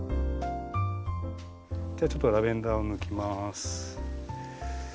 じゃあちょっとラベンダーを抜きます。